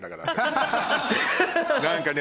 何かね